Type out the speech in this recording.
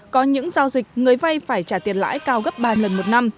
có những giao dịch người vay phải trả tiền lãi cao gấp ba lần một năm